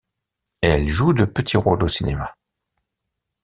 Elle joue de petits rôles au cinéma.